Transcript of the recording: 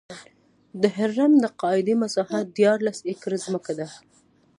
د هرم د قاعدې مساحت دیارلس ایکړه ځمکه ده.